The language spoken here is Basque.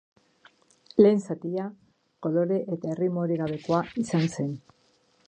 Lehen zatia kolore eta erritmorik gabeko izan zen.